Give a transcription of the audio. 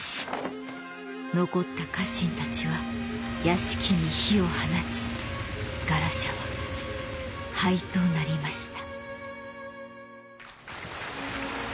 残った家臣たちは屋敷に火を放ちガラシャは灰となりました。